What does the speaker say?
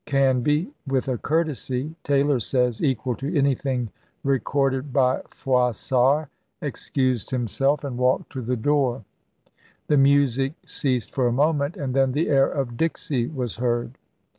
Canby — with a courtesy, Taylor says, equal to anything recorded by Froissart — excused himself, and walked to the door ; the music ceased for a moment, and then the air of " Dixie " was heard.